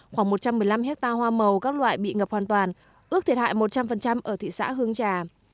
khoảng một trăm một mươi năm hectare hoa màu các loại bị ngập hoàn toàn ước thiệt hại một trăm linh ở thị xã hương trà